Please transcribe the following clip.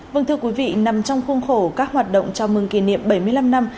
vâng thưa quý vị nằm trong khuôn khổ các hoạt động chào mừng kỷ niệm bảy mươi năm năm